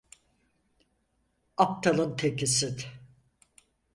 Aptalın tekisin!